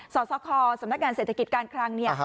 สรภคสำนักงานเศรษฐกิจการคลัง